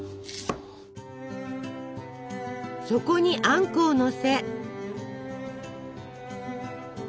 そこにあんこをのせ。